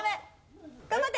頑張って！